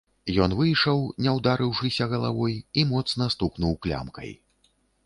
Ён выйшаў, не ўдарыўшыся галавой, і моцна стукнуў клямкай.